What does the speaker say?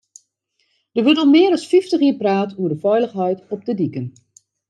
Der wurdt al mear as fyftich jier praat oer de feilichheid op de diken.